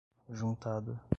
juntada